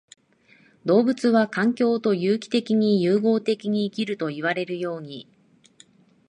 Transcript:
動物は環境と有機的に融合的に生きるといわれるように、